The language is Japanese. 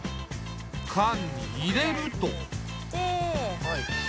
缶に入れると。